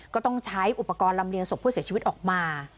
ก็ต้องใช้อุปกรณ์ลำเลียงศพผู้เสียชีวิตออกมา